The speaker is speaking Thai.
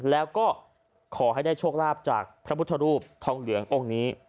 แล้วก็ขอให้ได้โชคลาภจากพระพุทธรูปทองเหลืององค์นี้